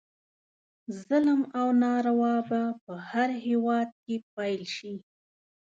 ظلم او ناروا به په هر هیواد کې پیل شي.